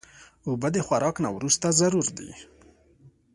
اوبه د خوراک نه وروسته ضرور دي.